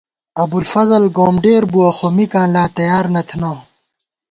ابُوالفضل گومڈېر بُوَہ ، خو مِکاں لا تیار نہ تھنہ